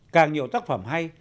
càng nhiều tác phẩm hay